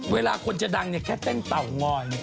เวลาคนจะดังเนี่ยแค่เต้นเต่างอยเนี่ย